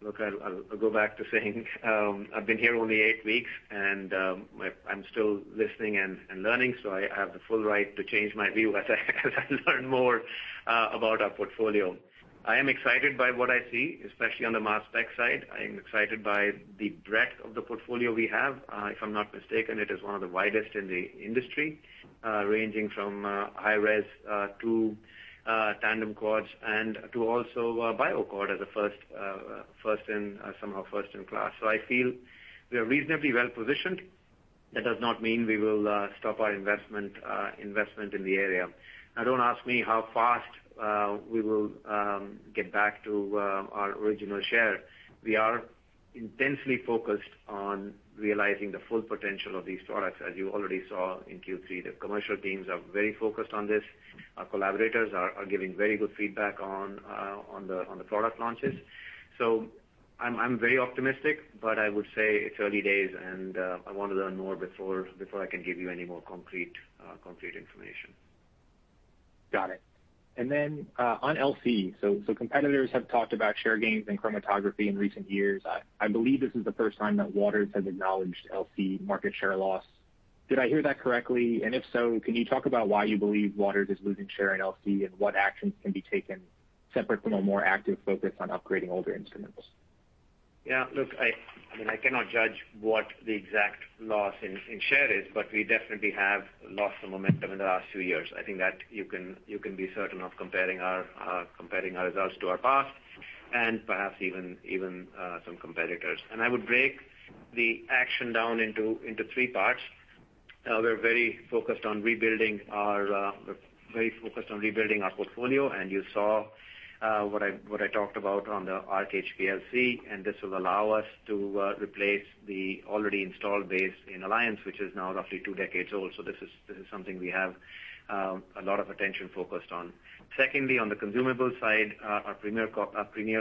Look, I'll go back to saying I've been here only eight weeks, and I'm still listening and learning, so I have the full right to change my view as I learn more about our portfolio. I am excited by what I see, especially on the mass spec side. I am excited by the breadth of the portfolio we have. If I'm not mistaken, it is one of the widest in the industry, ranging from high-res to tandem quads and to also BioAccord as a first in somehow first in class. So I feel we are reasonably well positioned. That does not mean we will stop our investment in the area. Now, don't ask me how fast we will get back to our original share. We are intensely focused on realizing the full potential of these products, as you already saw in Q3. The commercial teams are very focused on this. Our collaborators are giving very good feedback on the product launches. So I'm very optimistic, but I would say it's early days, and I want to learn more before I can give you any more concrete information. Got it. And then on LC, so competitors have talked about share gains and chromatography in recent years. I believe this is the first time that Waters has acknowledged LC market share loss. Did I hear that correctly? And if so, can you talk about why you believe Waters is losing share in LC and what actions can be taken separate from a more active focus on upgrading older instruments? Yeah. Look, I mean, I cannot judge what the exact loss in share is, but we definitely have lost some momentum in the last few years. I think that you can be certain of comparing our results to our past and perhaps even some competitors. I would break the action down into three parts. We're very focused on rebuilding our portfolio, and you saw what I talked about on the Arc HPLC, and this will allow us to replace the already installed base in Alliance, which is now roughly two decades old. So this is something we have a lot of attention focused on. Secondly, on the consumable side, our Premier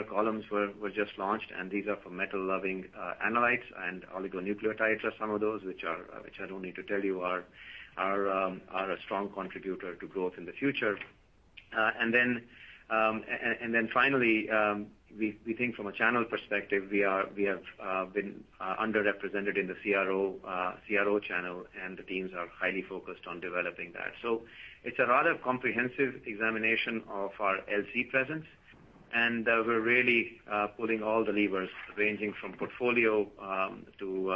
Columns were just launched, and these are for metal-loving analytes, and oligonucleotides are some of those, which I don't need to tell you are a strong contributor to growth in the future. And then finally, we think from a channel perspective, we have been underrepresented in the CRO channel, and the teams are highly focused on developing that. So it's a rather comprehensive examination of our LC presence, and we're really pulling all the levers ranging from portfolio to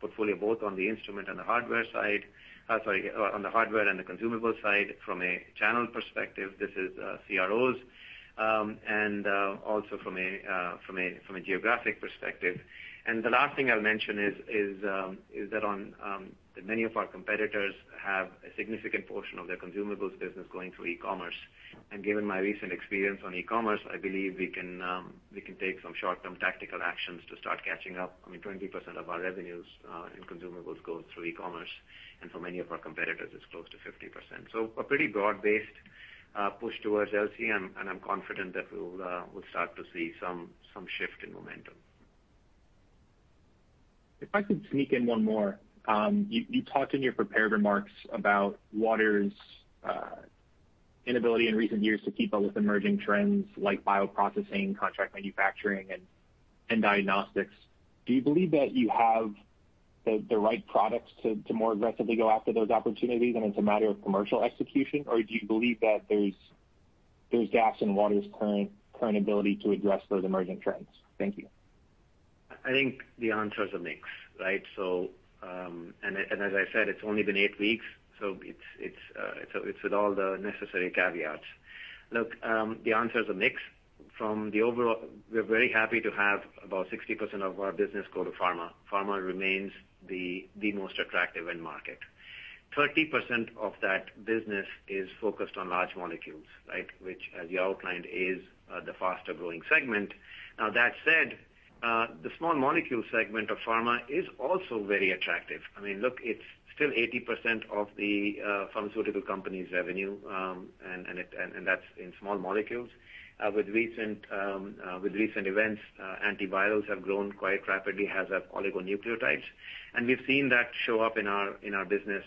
portfolio both on the instrument and the hardware side, sorry, on the hardware and the consumable side from a channel perspective. This is CROs and also from a geographic perspective. And the last thing I'll mention is that many of our competitors have a significant portion of their consumables business going through e-commerce. And given my recent experience on e-commerce, I believe we can take some short-term tactical actions to start catching up. I mean, 20% of our revenues in consumables goes through e-commerce, and for many of our competitors, it's close to 50%. So a pretty broad-based push towards LC, and I'm confident that we'll start to see some shift in momentum. If I could sneak in one more, you talked in your prepared remarks about Waters' inability in recent years to keep up with emerging trends like bioprocessing, contract manufacturing, and diagnostics. Do you believe that you have the right products to more aggressively go after those opportunities and it's a matter of commercial execution, or do you believe that there's gaps in Waters' current ability to address those emerging trends? Thank you. I think the answer is a mix, right? And as I said, it's only been eight weeks, so it's with all the necessary caveats. Look, the answer is a mix. From the overall, we're very happy to have about 60% of our business go to pharma. Pharma remains the most attractive end market. 30% of that business is focused on large molecules, right, which, as you outlined, is the faster-growing segment. Now, that said, the small molecule segment of pharma is also very attractive. I mean, look, it's still 80% of the pharmaceutical company's revenue, and that's in small molecules. With recent events, antivirals have grown quite rapidly, as have oligonucleotides, and we've seen that show up in our business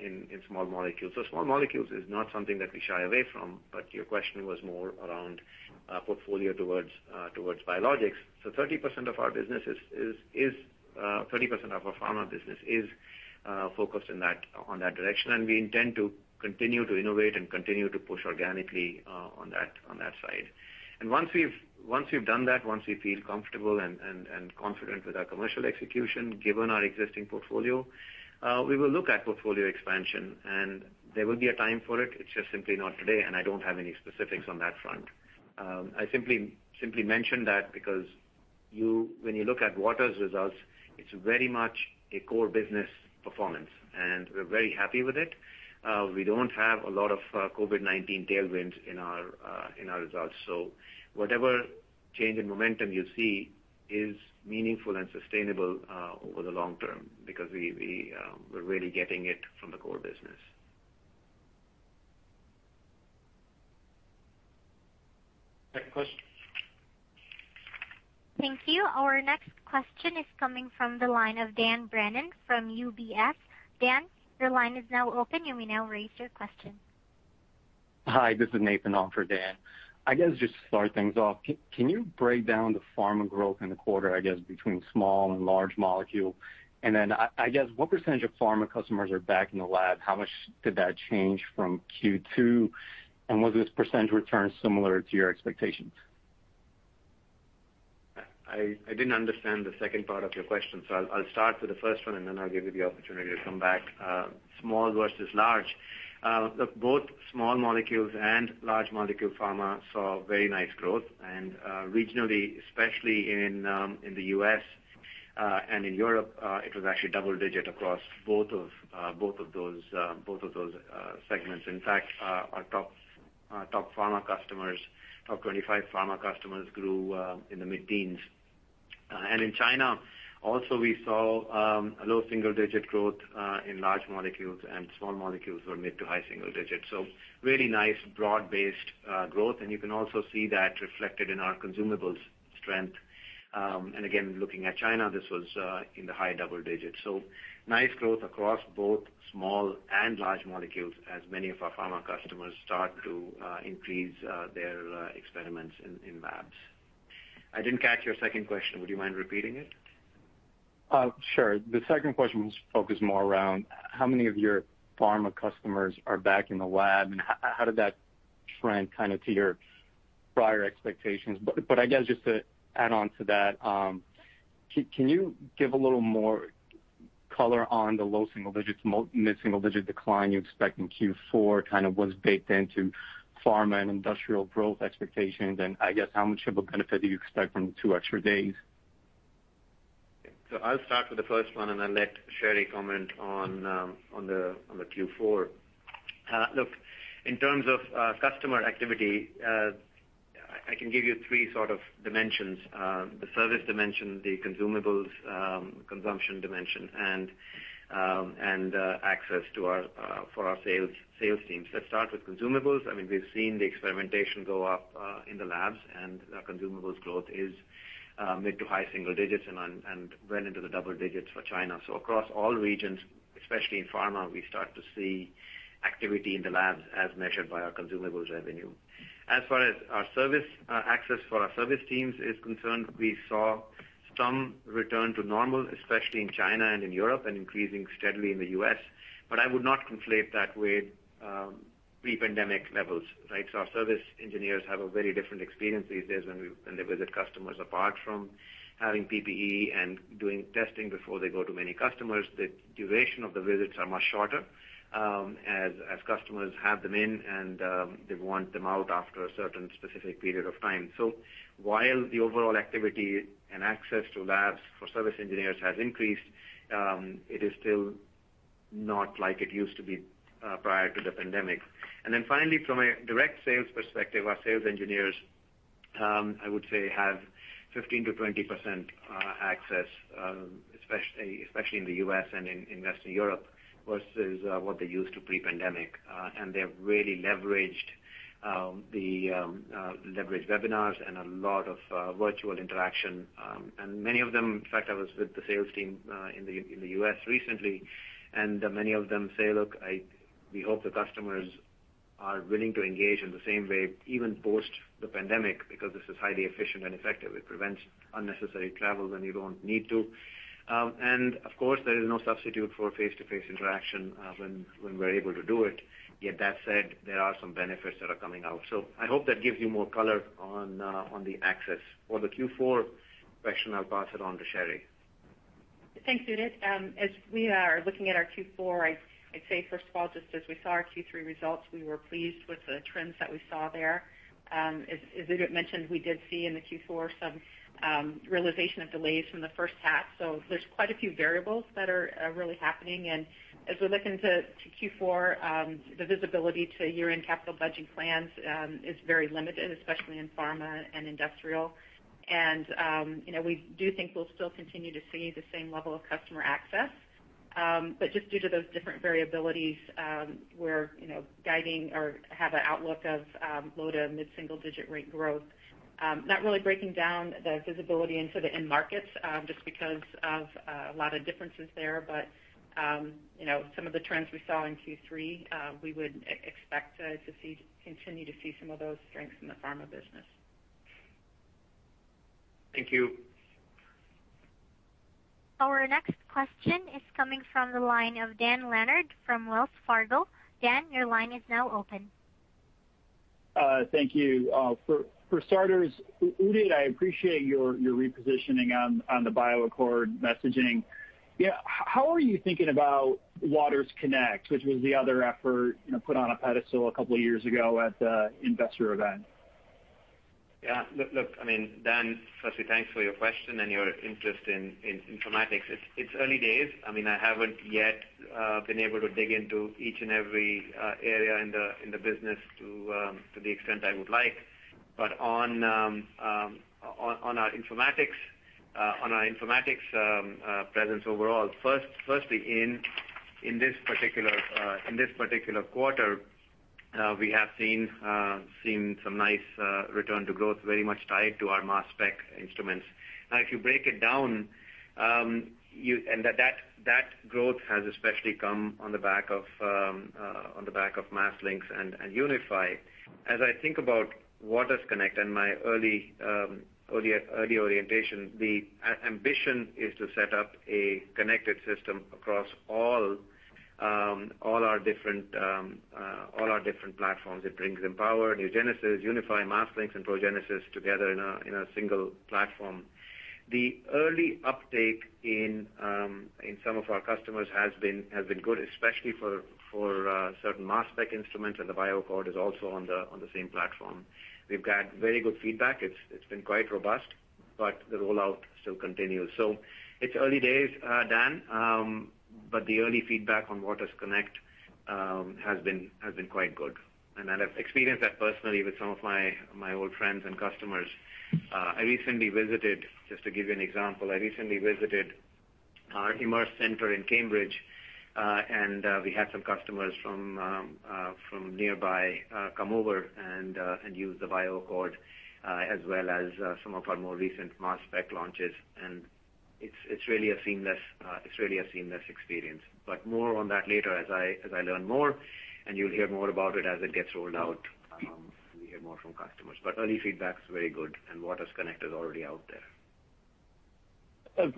in small molecules. So small molecules is not something that we shy away from, but your question was more around portfolio towards biologics. So 30% of our business is, 30% of our pharma business is focused on that direction, and we intend to continue to innovate and continue to push organically on that side. And once we've done that, once we feel comfortable and confident with our commercial execution, given our existing portfolio, we will look at portfolio expansion, and there will be a time for it. It's just simply not today, and I don't have any specifics on that front. I simply mention that because when you look at Waters' results, it's very much a core business performance, and we're very happy with it. We don't have a lot of COVID-19 tailwinds in our results, so whatever change in momentum you see is meaningful and sustainable over the long term because we're really getting it from the core business. Next question. Thank you. Our next question is coming from the line of Dan Brennan from UBS. Dan, your line is now open. You may now raise your question. Hi, this is Nathan on for Dan. I guess just to start things off, can you break down the pharma growth in the quarter, I guess, between small and large molecule? And then I guess what percentage of pharma customers are back in the lab? How much did that change from Q2, and was this percent return similar to your expectations? I didn't understand the second part of your question, so I'll start with the first one, and then I'll give you the opportunity to come back. Small versus large. Look, both small molecules and large molecule pharma saw very nice growth, and regionally, especially in the U.S. and in Europe, it was actually double-digit across both of those segments. In fact, our top pharma customers, top 25 pharma customers, grew in the mid-teens. And in China, also, we saw low single-digit growth in large molecules, and small molecules were mid to high single-digits. So really nice broad-based growth, and you can also see that reflected in our consumables strength. And again, looking at China, this was in the high double-digits. So nice growth across both small and large molecules as many of our pharma customers start to increase their experiments in labs. I didn't catch your second question. Would you mind repeating it? Sure. The second question was focused more around how many of your pharma customers are back in the lab, and how did that trend kind of to your prior expectations, but I guess just to add on to that, can you give a little more color on the low single-digit to mid-single-digit decline you expect in Q4 kind of was baked into pharma and industrial growth expectations, and I guess how much of a benefit do you expect from the two extra days? So I'll start with the first one, and I'll let Sherry comment on the Q4. Look, in terms of customer activity, I can give you three sort of dimensions: the service dimension, the consumables consumption dimension, and access for our sales teams. Let's start with consumables. I mean, we've seen the experimentation go up in the labs, and our consumables growth is mid to high single digits and went into the double digits for China. So across all regions, especially in pharma, we start to see activity in the labs as measured by our consumables revenue. As far as our service access for our service teams is concerned, we saw some return to normal, especially in China and in Europe and increasing steadily in the U.S., but I would not conflate that with pre-pandemic levels, right? So our service engineers have a very different experience these days when they visit customers. Apart from having PPE and doing testing before they go to many customers, the duration of the visits is much shorter as customers have them in, and they want them out after a certain specific period of time. While the overall activity and access to labs for service engineers has increased, it is still not like it used to be prior to the pandemic. And then finally, from a direct sales perspective, our sales engineers, I would say, have 15%-20% access, especially in the U.S. and in Western Europe versus what they used to pre-pandemic. And they have really leveraged the webinars and a lot of virtual interaction. And many of them, in fact, I was with the sales team in the U.S. recently, and many of them say, "Look, we hope the customers are willing to engage in the same way even post the pandemic because this is highly efficient and effective. It prevents unnecessary travel when you don't need to." And of course, there is no substitute for face-to-face interaction when we're able to do it. Yet that said, there are some benefits that are coming out. So I hope that gives you more color on the access. For the Q4 question, I'll pass it on to Sherry. Thanks, Udit. As we are looking at our Q4, I'd say, first of all, just as we saw our Q3 results, we were pleased with the trends that we saw there. As Udit mentioned, we did see in the Q4 some realization of delays from the first half. So there's quite a few variables that are really happening. And as we're looking to Q4, the visibility to year-end capital budget plans is very limited, especially in pharma and industrial. And we do think we'll still continue to see the same level of customer access. But just due to those different variabilities, we're guiding or have an outlook of low to mid-single-digit rate growth, not really breaking down the visibility into the end markets just because of a lot of differences there. But some of the trends we saw in Q3, we would expect to continue to see some of those strengths in the pharma business. Thank you. Our next question is coming from the line of Dan Leonard from Wells Fargo. Dan, your line is now open. Thank you. For starters, Udit, I appreciate your repositioning on the BioAccord messaging. How are you thinking about waters_connect, which was the other effort put on a pedestal a couple of years ago at the investor event? Yeah. Look, I mean, Dan, firstly, thanks for your question and your interest in informatics. It's early days. I mean, I haven't yet been able to dig into each and every area in the business to the extent I would like. But on our informatics, on our informatics presence overall, firstly, in this particular quarter, we have seen some nice return to growth, very much tied to our mass spec instruments. Now, if you break it down, and that growth has especially come on the back of MassLynx and UNIFI. As I think about waters_connect and my early orientation, the ambition is to set up a connected system across all our different platforms. It brings in Empower, NuGenesis, UNIFI, MassLynx, and Progenesis together in a single platform. The early uptake in some of our customers has been good, especially for certain mass spec instruments, and the BioAccord is also on the same platform. We've got very good feedback. It's been quite robust, but the rollout still continues. So it's early days, Dan, but the early feedback on waters_connect has been quite good. And I've experienced that personally with some of my old friends and customers. I recently visited, just to give you an example, I recently visited our Immerse Center in Cambridge, and we had some customers from nearby come over and use the BioAccord as well as some of our more recent mass spec launches. And it's really a seamless experience. But more on that later as I learn more, and you'll hear more about it as it gets rolled out and you hear more from customers. But early feedback is very good, and waters_connect is already out there.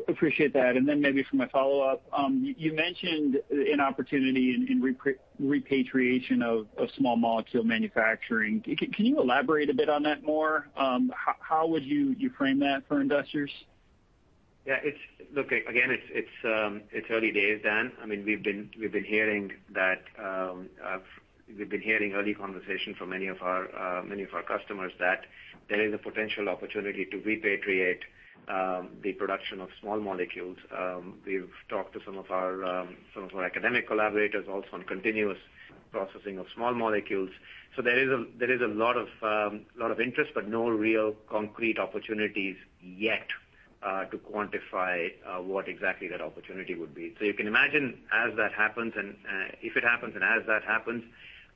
Appreciate that. And then maybe for my follow-up, you mentioned an opportunity in repatriation of small molecule manufacturing. Can you elaborate a bit on that more? How would you frame that for investors? Yeah. Look, again, it's early days, Dan. I mean, we've been hearing early conversation from many of our customers that there is a potential opportunity to repatriate the production of small molecules. We've talked to some of our academic collaborators also on continuous processing of small molecules. So there is a lot of interest, but no real concrete opportunities yet to quantify what exactly that opportunity would be. So you can imagine as that happens, and if it happens and as that happens,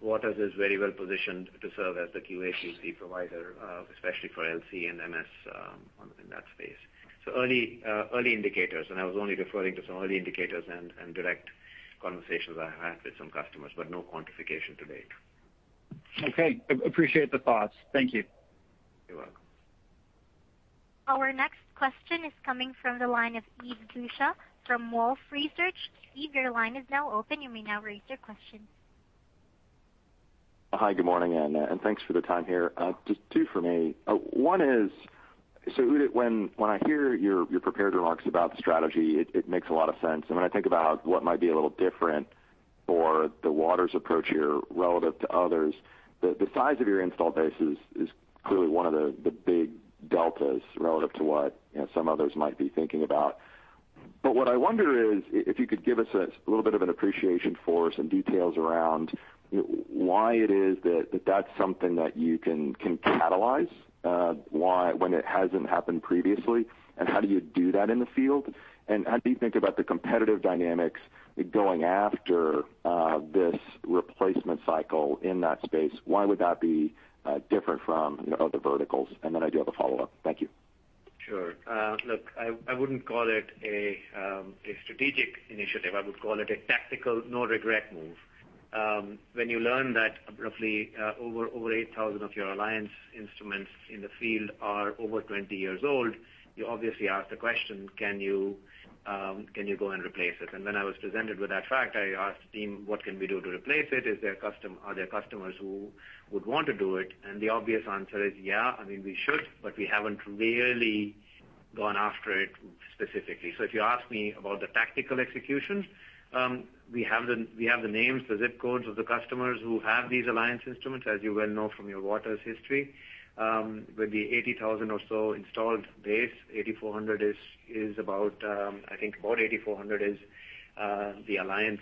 Waters is very well positioned to serve as the QA/QC provider, especially for LC and MS in that space. So early indicators, and I was only referring to some early indicators and direct conversations I've had with some customers, but no quantification to date. Okay. Appreciate the thoughts. Thank you. You're welcome. Our next question is coming from the line of Steve Beuchaw from Wolfe Research. Steve, your line is now open. You may now raise your question. Hi, good morning, and thanks for the time here. Just two for me. One is, so Udit, when I hear your prepared remarks about the strategy, it makes a lot of sense. And when I think about what might be a little different for the Waters approach here relative to others, the size of your installed base is clearly one of the big deltas relative to what some others might be thinking about. But what I wonder is if you could give us a little bit of an appreciation for some details around why it is that that's something that you can catalyze when it hasn't happened previously, and how do you do that in the field? And how do you think about the competitive dynamics going after this replacement cycle in that space? Why would that be different from other verticals? And then I do have a follow-up. Thank you. Sure. Look, I wouldn't call it a strategic initiative. I would call it a tactical no-regret move. When you learn that roughly over 8,000 of your Alliance instruments in the field are over 20 years old, you obviously ask the question, can you go and replace it? And when I was presented with that fact, I asked the team, what can we do to replace it? Are there customers who would want to do it? And the obvious answer is, yeah, I mean, we should, but we haven't really gone after it specifically. So if you ask me about the tactical execution, we have the names, the zip codes of the customers who have these Alliance instruments, as you well know from your Waters history. With the 80,000 or so installed base, 8,400 is about, I think, about 8,400 is the Alliance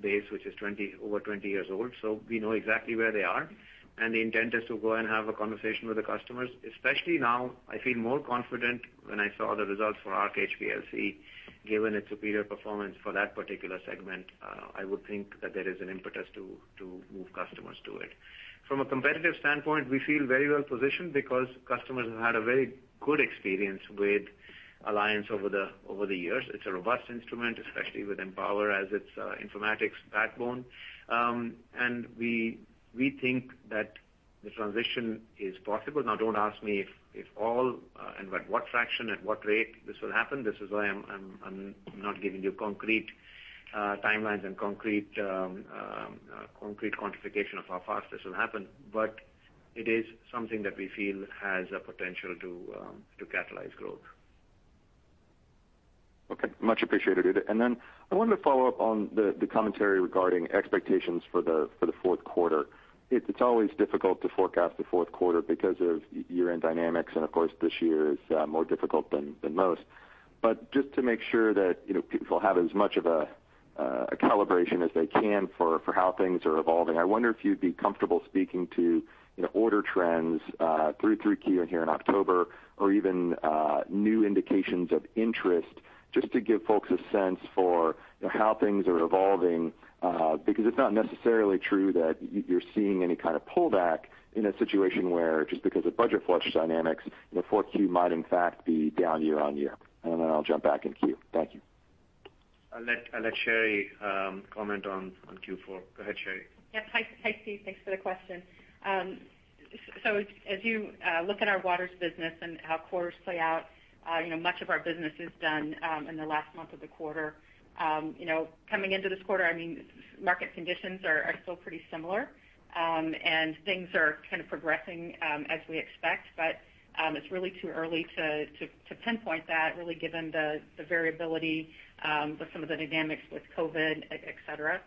base, which is over 20 years old. So we know exactly where they are. And the intent is to go and have a conversation with the customers. Especially now, I feel more confident when I saw the results for Arc HPLC, given its superior performance for that particular segment. I would think that there is an impetus to move customers to it. From a competitive standpoint, we feel very well positioned because customers have had a very good experience with Alliance over the years. It's a robust instrument, especially with Empower as its informatics backbone. And we think that the transition is possible. Now, don't ask me if all and at what fraction and what rate this will happen. This is why I'm not giving you concrete timelines and concrete quantification of how fast this will happen. But it is something that we feel has a potential to catalyze growth. Okay. Much appreciated, Udit. And then I wanted to follow up on the commentary regarding expectations for the fourth quarter. It's always difficult to forecast the fourth quarter because of year-end dynamics, and of course, this year is more difficult than most. But just to make sure that people have as much of a calibration as they can for how things are evolving, I wonder if you'd be comfortable speaking to order trends through 3Q here in October or even new indications of interest just to give folks a sense for how things are evolving because it's not necessarily true that you're seeing any kind of pullback in a situation where just because of budget flush dynamics, 4Q might in fact be down year-on-year. And then I'll jump back in queue. Thank you. I'll let Sherry comment on Q4. Go ahead, Sherry. Yep. Hi, Steve. Thanks for the question. So as you look at our Waters business and how quarters play out, much of our business is done in the last month of the quarter. Coming into this quarter, I mean, market conditions are still pretty similar, and things are kind of progressing as we expect. But it's really too early to pinpoint that, really given the variability with some of the dynamics with COVID, etc.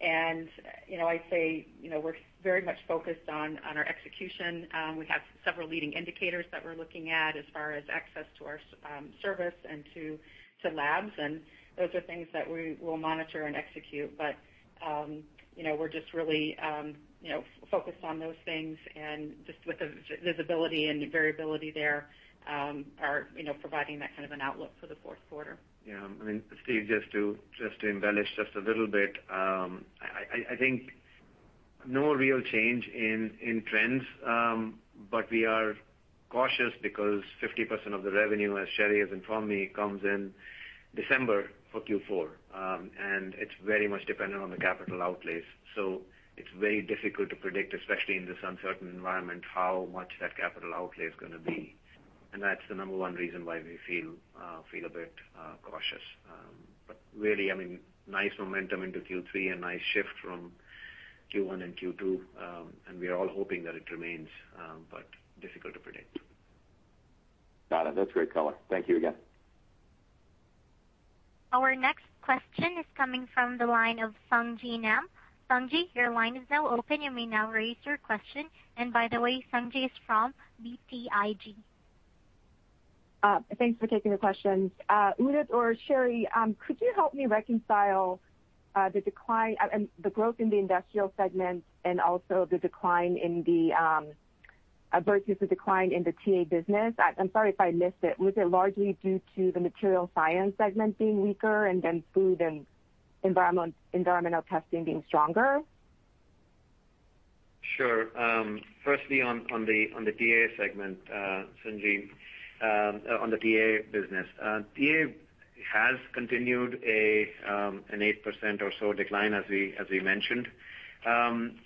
And I'd say we're very much focused on our execution. We have several leading indicators that we're looking at as far as access to our service and to labs. And those are things that we will monitor and execute. But we're just really focused on those things. And just with the visibility and variability there, providing that kind of an outlook for the fourth quarter. Yeah. I mean, Steve, just to embellish just a little bit, I think no real change in trends, but we are cautious because 50% of the revenue, as Sherry has informed me, comes in December for Q4. It's very much dependent on the capital outlays. So it's very difficult to predict, especially in this uncertain environment, how much that capital outlay is going to be. And that's the number one reason why we feel a bit cautious. But really, I mean, nice momentum into Q3 and nice shift from Q1 and Q2. And we are all hoping that it remains, but difficult to predict. Got it. That's great color. Thank you again. Our next question is coming from the line of Sung Ji Nam. Sung Ji, your line is now open. You may now raise your question. And by the way, Sung Ji is from BTIG. Thanks for taking the questions. Udit or Sherry, could you help me reconcile the growth in the Industrial segment and also the decline in the versus the decline in the TA business? I'm sorry if I missed it. Was it largely due to the Materials Science segment being weaker and then Food and Environmental Testing being stronger? Sure. Firstly, on the TA segment, Sung Ji, on the TA business. TA has continued an 8% or so decline, as we mentioned. And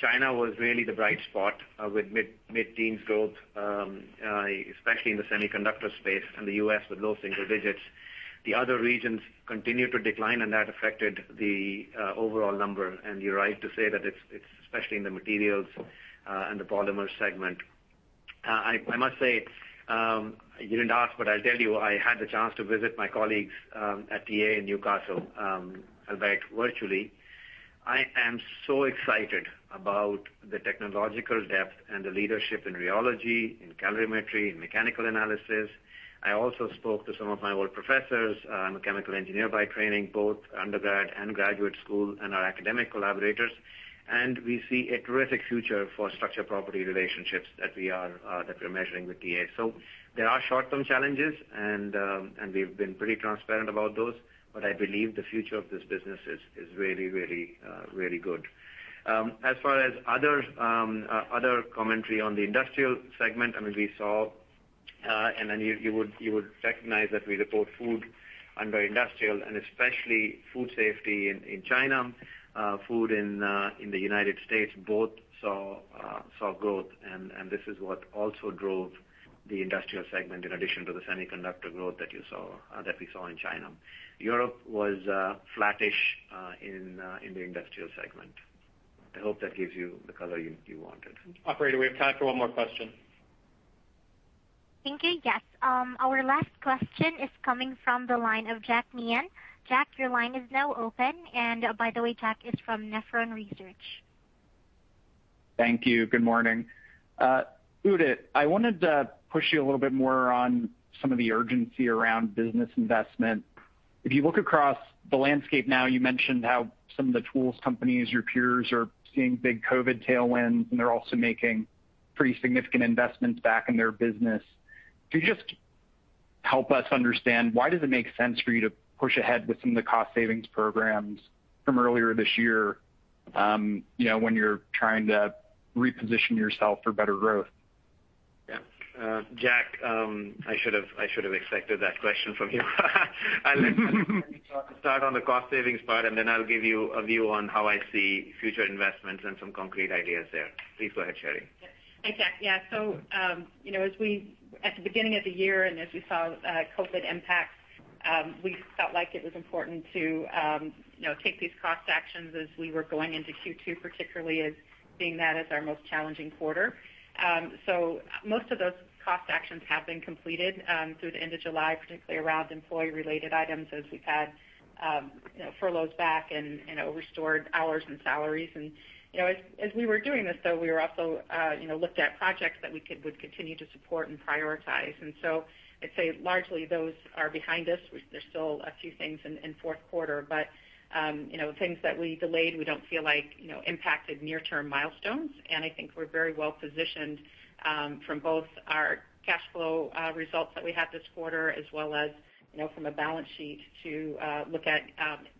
China was really the bright spot with mid-teens growth, especially in the semiconductor space, and the U.S. with low single digits. The other regions continued to decline, and that affected the overall number. And you're right to say that it's especially in the materials and the polymer segment. I must say, you didn't ask, but I'll tell you, I had the chance to visit my colleagues at TA in New Castle lab virtually. I am so excited about the technological depth and the leadership in rheology, in calorimetry, in mechanical analysis. I also spoke to some of my old professors. I'm a chemical engineer by training, both undergrad and graduate school, and our academic collaborators, and we see a terrific future for structure-property relationships that we are measuring with TA, so there are short-term challenges, and we've been pretty transparent about those, but I believe the future of this business is really, really, really good. As far as other commentary on the Industrial segment, I mean, we saw, and then you would recognize that we report Food under Industrial, and especially Food Safety in China, Food in the United States, both saw growth, and this is what also drove the Industrial segment in addition to the semiconductor growth that we saw in China. Europe was flattish in the Industrial segment. I hope that gives you the color you wanted. Operator, we have time for one more question. Thank you. Yes. Our last question is coming from the line of Jack Meehan. Jack, your line is now open. And by the way, Jack is from Nephron Research. Thank you. Good morning. Udit, I wanted to push you a little bit more on some of the urgency around business investment. If you look across the landscape now, you mentioned how some of the tools companies, your peers, are seeing big COVID tailwinds, and they're also making pretty significant investments back in their business. Could you just help us understand why does it make sense for you to push ahead with some of the cost savings programs from earlier this year when you're trying to reposition yourself for better growth? Yeah. Jack, I should have expected that question from you. I'll start on the cost savings part, and then I'll give you a view on how I see future investments and some concrete ideas there. Please go ahead, Sherry. Thanks, Jack. Yeah. So at the beginning of the year and as we saw COVID impacts, we felt like it was important to take these cost actions as we were going into Q2, particularly as seeing that as our most challenging quarter. So most of those cost actions have been completed through the end of July, particularly around employee-related items as we've had furloughs back and restored hours and salaries. And as we were doing this, though, we were also looked at projects that we would continue to support and prioritize. And so I'd say largely those are behind us. There's still a few things in fourth quarter, but things that we delayed we don't feel like impacted near-term milestones. And I think we're very well positioned from both our cash flow results that we had this quarter as well as from a balance sheet to look at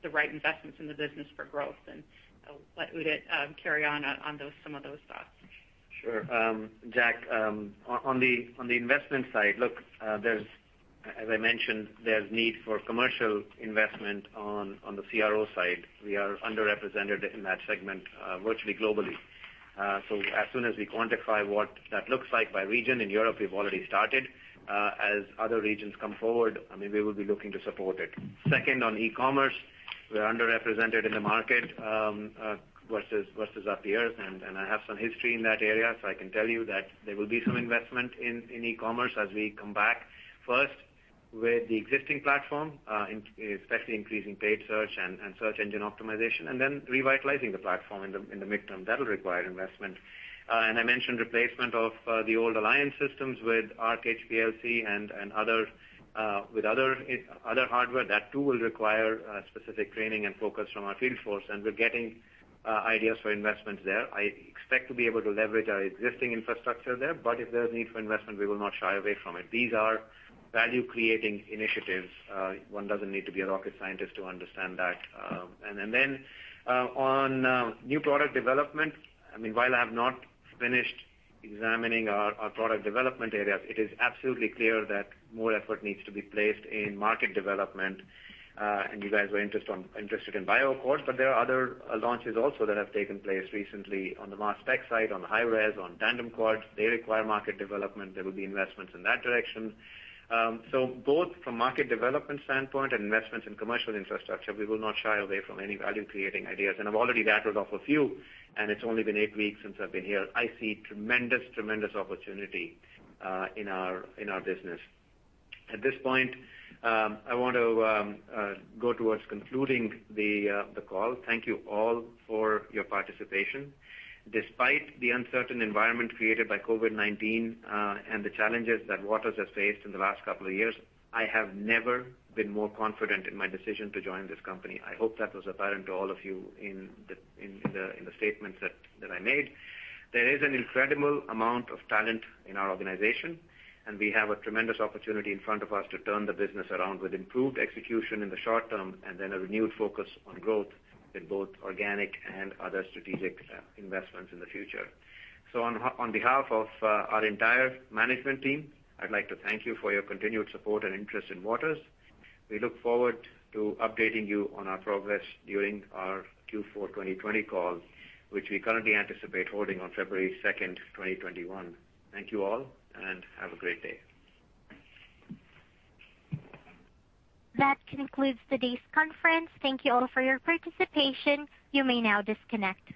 the right investments in the business for growth. And I'll let Udit carry on on some of those thoughts. Sure. Jack, on the investment side, look, as I mentioned, there's need for commercial investment on the CRO side. We are underrepresented in that segment virtually globally. So as soon as we quantify what that looks like by region, in Europe, we've already started. As other regions come forward, I mean, we will be looking to support it. Second, on e-commerce, we're underrepresented in the market versus our peers. I have some history in that area, so I can tell you that there will be some investment in e-commerce as we come back first with the existing platform, especially increasing paid search and search engine optimization, and then revitalizing the platform in the midterm. That'll require investment. I mentioned replacement of the old Alliance systems with Arc HPLC and with other hardware. That too will require specific training and focus from our field force. We're getting ideas for investments there. I expect to be able to leverage our existing infrastructure there. But if there's need for investment, we will not shy away from it. These are value-creating initiatives. One doesn't need to be a rocket scientist to understand that. And then on new product development, I mean, while I have not finished examining our product development areas, it is absolutely clear that more effort needs to be placed in market development. And you guys were interested in BioAccord, but there are other launches also that have taken place recently on the mass spec side, on the high-res, on tandem quads. They require market development. There will be investments in that direction. So both from a market development standpoint and investments in commercial infrastructure, we will not shy away from any value-creating ideas. And I've already rattled off a few, and it's only been eight weeks since I've been here. I see tremendous, tremendous opportunity in our business. At this point, I want to go towards concluding the call. Thank you all for your participation. Despite the uncertain environment created by COVID-19 and the challenges that Waters has faced in the last couple of years, I have never been more confident in my decision to join this company. I hope that was apparent to all of you in the statements that I made. There is an incredible amount of talent in our organization, and we have a tremendous opportunity in front of us to turn the business around with improved execution in the short term and then a renewed focus on growth in both organic and other strategic investments in the future. So on behalf of our entire management team, I'd like to thank you for your continued support and interest in Waters. We look forward to updating you on our progress during our Q4 2020 call, which we currently anticipate holding on February 2nd, 2021. Thank you all, and have a great day. That concludes today's conference. Thank you all for your participation. You may now disconnect.